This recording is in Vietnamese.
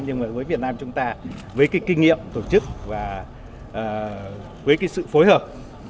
nhưng mà với việt nam chúng ta với cái kinh nghiệm tổ chức và với cái sự phối hợp